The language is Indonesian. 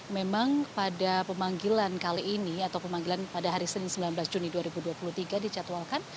memang pada pemanggilan kali ini atau pemanggilan pada hari senin sembilan belas juni dua ribu dua puluh tiga dicatwalkan